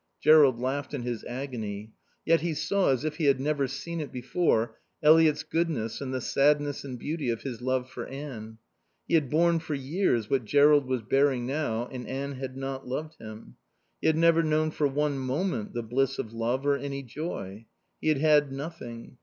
Jerrold laughed in his agony. Yet he saw, as if he had never seen it before, Eliot's goodness and the sadness and beauty of his love for Anne. He had borne for years what Jerrold was bearing now, and Anne had not loved him. He had never known for one moment the bliss of love or any joy. He had had nothing.